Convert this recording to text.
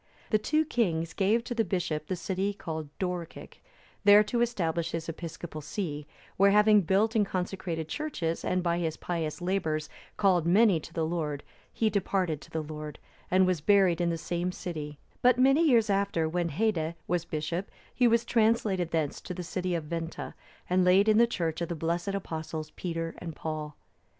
The two kings gave to the bishop the city called Dorcic,(321) there to establish his episcopal see; where having built and consecrated churches, and by his pious labours called many to the Lord, he departed to the Lord, and was buried in the same city; but many years after, when Haedde was bishop,(322) he was translated thence to the city of Venta,(323) and laid in the church of the blessed Apostles, Peter and Paul.